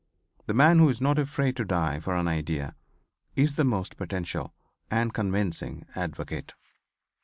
The man who is not afraid to die for an idea is the most potential and convincing advocate.